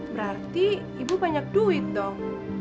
berarti ibu banyak duit dong